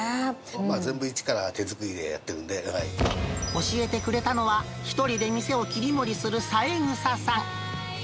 全部、一から手作りでやって教えてくれたのは、１人で店を切り盛りする三枝さん。